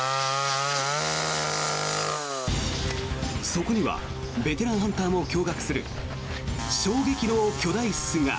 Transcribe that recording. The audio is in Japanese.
そこにはベテランハンターも驚がくする衝撃の巨大巣が。